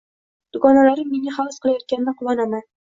Dugonalarim menga havas qilayotganidan quvonaman